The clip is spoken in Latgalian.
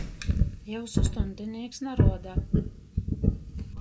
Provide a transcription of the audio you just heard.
Jiusu stuņdinīks naruoda.